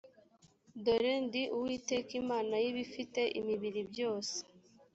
dore ndi uwiteka imana y ibifite imibiri byose